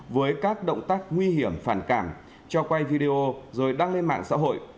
với các động tác nguy hiểm phản cảm cho quay video rồi đăng lên mạng xã hội